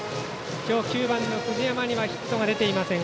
今日、９番の藤山にはヒットは出ていません。